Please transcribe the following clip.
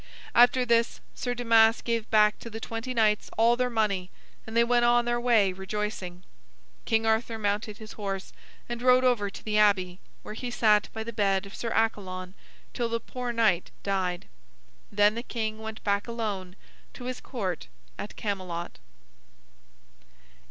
After this, Sir Damas gave back to the twenty knights all their money, and they went on their way rejoicing. King Arthur mounted his horse and rode over to the abbey, where he sat by the bed of Sir Accalon till the poor knight died. Then the king went back alone to his Court at Camelot.